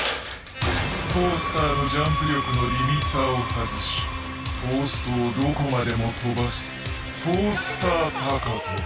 トースターのジャンプ力のリミッターを外しトーストをどこまでも跳ばす「トースター高跳び」。